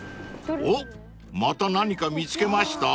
［おっまた何か見つけました？］